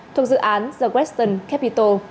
thuộc dự án the western capital